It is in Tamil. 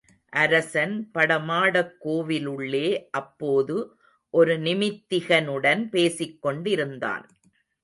அரசன் படமாடக் கோவிலுள்ளே அப்போது ஒரு நிமித்திகனுடன் பேசிக் கொண்டிருந்தான்.